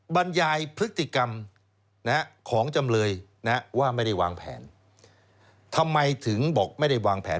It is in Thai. บรรยายพฤติกรรมของจำเลยนะว่าไม่ได้วางแผนทำไมถึงบอกไม่ได้วางแผน